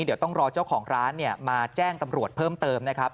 เดี๋ยวต้องรอเจ้าของร้านมาแจ้งตำรวจเพิ่มเติมนะครับ